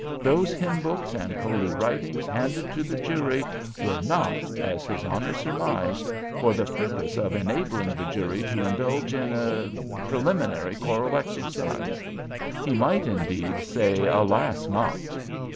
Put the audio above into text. Those hymn books and holy writings handed to the jury were not, as his Honor surmised, for the purpose of enabling the jury to indulge in—er—preliminary choral exercise! He might, indeed, say "alas not!"